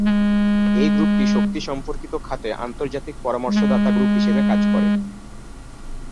এই গ্রুপটি শক্তি সম্পর্কিত খাতে আন্তর্জাতিক পরামর্শদাতা গ্রুপ হিসেবে কাজ করে।